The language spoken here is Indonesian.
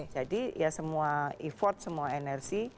ya semua effort semua energi